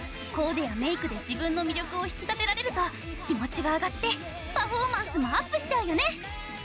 コーデやメークで自分の魅力を引き立てられると気持ちが上がってパフォーマンスもアップしちゃうよね！